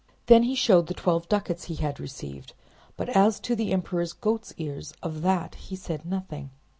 Then he showed the twelve ducats he had received; but as to the emperor's goat's ears, of that he said nothing.